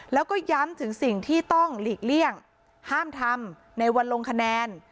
แล้วก็ย้ำถึงสิ่งที่ต้องหลีกเลี่ยงห้ามทำในวันลงคะแนน